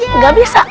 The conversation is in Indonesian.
eh gak bisa